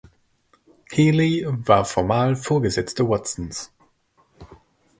Healy war formal Vorgesetzte Watsons.